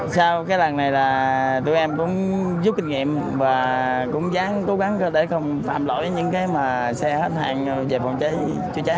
sau cái lần này là tụi em cũng giúp kinh nghiệm và cũng dán cố gắng để không phạm lỗi những cái mà xe hết hàng về phòng cháy chữa cháy